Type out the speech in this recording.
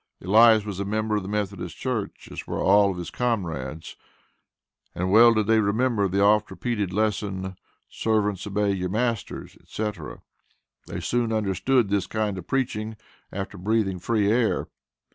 Elias was a member of the Methodist Church, as were all of his comrades, and well did they remember the oft repeated lesson, "Servants obey your masters," etc. They soon understood this kind of preaching after breathing free air.